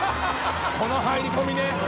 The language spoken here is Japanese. この入り込みね！